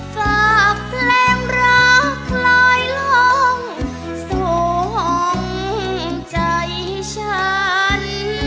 ฝากเพลงราวคลายล้องส่งใจฉัน